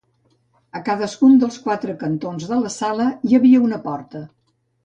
A cadascun dels quatre cantons de la sala hi havia una porta.